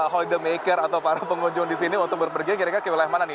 holdemaker atau para pengunjung di sini untuk berpergian kira kira kewilai mana nih